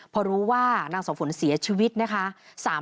พอรู้ว่านางเสาฝนเสียชีวิตนะคะ